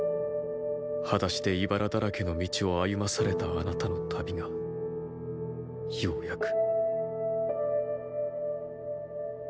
裸足で棘だらけの道を歩まされたあなたの旅がようやく。